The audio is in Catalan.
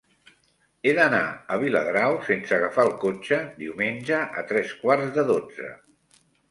He d'anar a Viladrau sense agafar el cotxe diumenge a tres quarts de dotze.